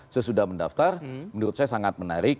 sesudah mendaftar menurut saya sangat menarik